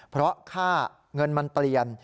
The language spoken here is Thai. เพราะค่าเงินมันเปลี่ยน